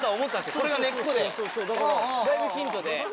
これが根っこでだいぶヒントで。